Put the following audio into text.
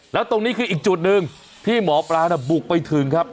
แล้วตรงนี้คืออีกจุดหนึ่งที่หมอปลาบุกไปถึงครับ